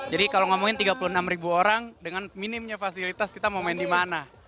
jadi kalau ngomongin tiga puluh enam orang dengan minimnya fasilitas kita mau main di mana